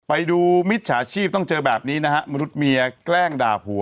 มิจฉาชีพต้องเจอแบบนี้นะฮะมนุษย์เมียแกล้งดาบหัว